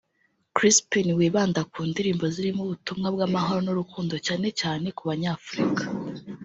Chrispin wibanda ku ndirimbo zirimo ubutumwa bw’amahoro n’urukundo cyane cyane ku banyafurika